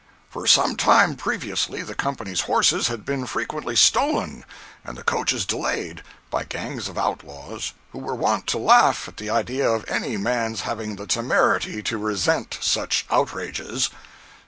For some time previously, the company's horses had been frequently stolen, and the coaches delayed, by gangs of outlaws, who were wont to laugh at the idea of any man's having the temerity to resent such outrages.